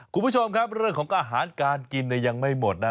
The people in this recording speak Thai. คุณผู้ชมครับเรื่องของอาหารการกินเนี่ยยังไม่หมดนะ